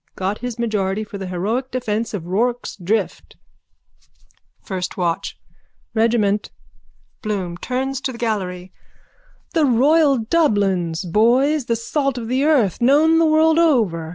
Got his majority for the heroic defence of Rorke's Drift. FIRST WATCH: Regiment. BLOOM: (Turns to the gallery.) The royal Dublins, boys, the salt of the earth, known the world over.